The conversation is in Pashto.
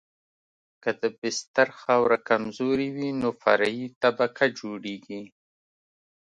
که د بستر خاوره کمزورې وي نو فرعي طبقه جوړیږي